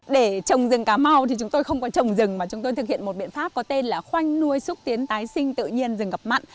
để trồng rừng cà mau thì chúng tôi không có trồng rừng mà chúng tôi thực hiện một biện pháp có tên là khoanh nuôi xúc tiến tái sinh tự nhiên rừng ngập mặn